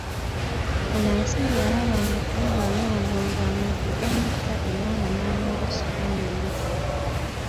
Anansi bwe yalabanga ku bubala obwo ng'amaddu gamutta era nga n'amalusu gamuyiika.